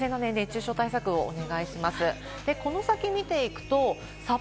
万全の熱中症対策をお願いします。